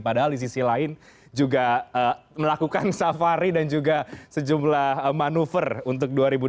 padahal di sisi lain juga melakukan safari dan juga sejumlah manuver untuk dua ribu dua puluh